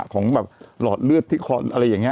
ของหลอดเลือดที่เคาะ